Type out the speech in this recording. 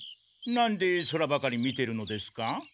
なんで空ばかり見てるのですか？